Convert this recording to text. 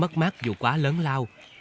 mất mắt dù quá lớn lao